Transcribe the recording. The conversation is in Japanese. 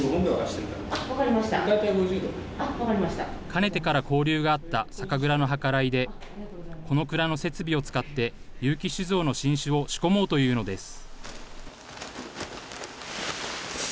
かねてから交流があった酒蔵の計らいで、この蔵の設備を使って結城酒造の新酒を仕込もうというのです。